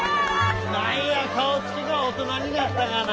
何や顔つきが大人になったがな。